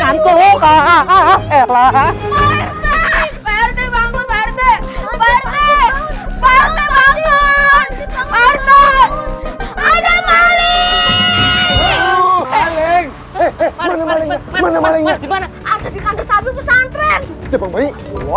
ngantuk ngantuk yun